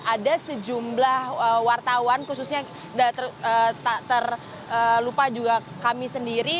ada sejumlah wartawan khususnya tak terlupa juga kami sendiri